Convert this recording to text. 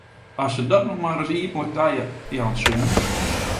As se dat no mar ris iepentlik tajaan soe!